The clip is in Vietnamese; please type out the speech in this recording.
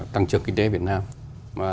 tăng trưởng kinh tế việt nam